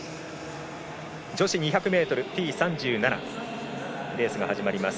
女子２００ｍＴ３７レースが始まります。